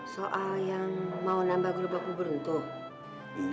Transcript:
soal yang mau nambah grup aku beruntung